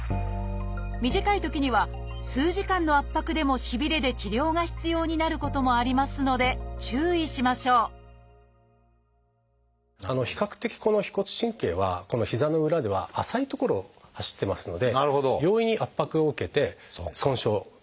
短いときには数時間の圧迫でもしびれで治療が必要になることもありますので注意しましょう比較的この腓骨神経はこの膝の裏では浅い所を走ってますので容易に圧迫を受けて損傷を来す。